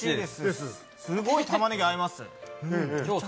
すごく玉ねぎ合います。